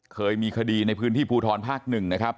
เคยมีคดีในพื้นที่ภูทรภาค๑นะครับ